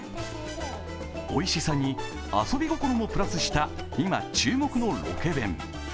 おいしさに遊び心もプラスした今注目のロケ弁。